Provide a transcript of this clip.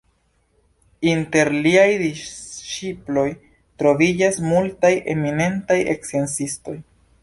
Inter liaj disĉiploj troviĝas multaj eminentaj sciencistoj.